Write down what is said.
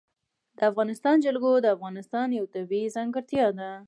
د افغانستان جلکو د افغانستان یوه طبیعي ځانګړتیا ده.